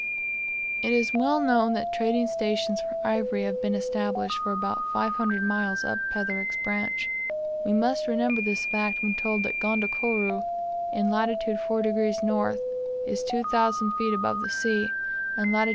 It is well known that trading stations for ivory have been established for about 500 miles up Petherick's branch. We must remember this fact when told that Gondokoro, in lat. 4 degrees N., is 2,000 feet above the sea, and lat.